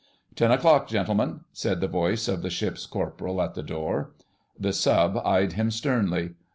"Ten o'clock, gentlemen!" said the voice of the Ship's Corporal at the door. The Sub. eyed him sternly.